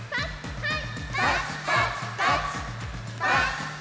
はい！